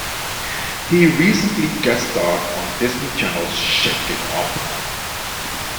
He recently guest starred on Disney Channel's "Shake It Up".